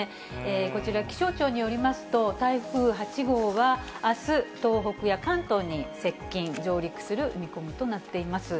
こちら、気象庁によりますと、台風８号はあす、東北や関東に接近、上陸する見込みとなっています。